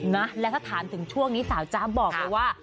นะแล้วถ้าถามถึงช่วงนี้สาวจ๊ะบอกเลยว่า